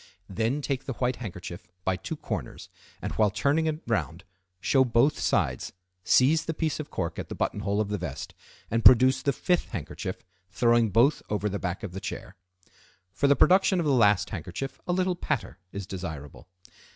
Then take the white handkerchief by two corners, and, while turning it round, show both sides, seize the piece of cork at the buttonhole of the vest, and produce the fifth handkerchief, throwing both over the back of the chair. For the production of the last handkerchief a little patter is desirable.